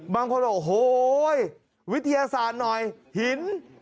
บางคนบอกโอ้โหวิทยาศาสตร์หน่อยหิน